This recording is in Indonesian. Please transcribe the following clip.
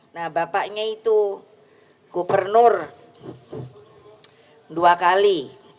nah bapaknya itu gubernur dua kali